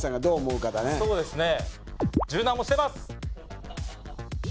そうですね。